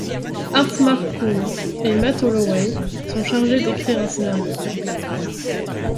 Art Marcum et Matt Holloway sont chargés d'écrire un scénario.